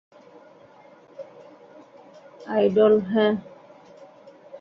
Idol, হ্যা?